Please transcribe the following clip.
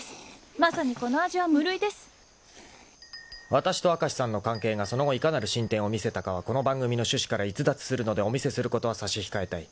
［わたしと明石さんの関係がその後いかなる進展を見せたかはこの番組の趣旨から逸脱するのでお見せすることは差し控えたい］